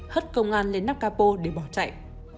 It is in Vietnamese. hất công an lên nắp capo để bỏ chạy